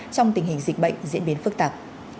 trong tình hình dịch bệnh diễn biến phức tạp